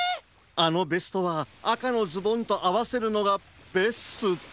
あのベストはあかのズボンとあわせるのがベスト。